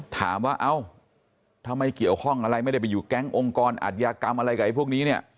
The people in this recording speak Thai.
ถามว่าเอ้าทำไมเกี่ยวข้องอะไรไม่ได้ไปอยู่แก๊งองค์กรอัธยากรรมอะไรกับพวกนี้เนี่ย